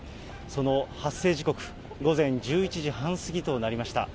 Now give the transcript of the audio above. その発生時刻、午前１１時半過ぎとなりました。